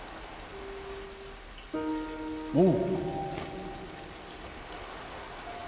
おう！